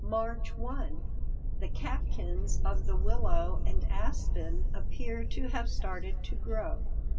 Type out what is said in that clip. March 1 The catkins of the willow and aspen appear to have started to grow.